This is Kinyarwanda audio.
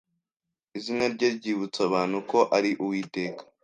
izina rye ryibutsa abantu ko ari Uwiteka.' »